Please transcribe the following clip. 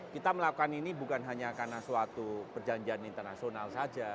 kita melakukan ini bukan hanya karena suatu perjanjian internasional saja